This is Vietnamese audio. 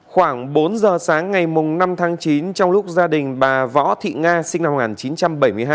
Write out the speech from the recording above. khoảng bốn giờ sáng ngày năm tháng chín trong lúc gia đình bà võ thị nga sinh năm một nghìn chín trăm bảy mươi hai